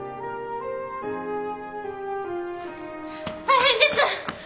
大変です！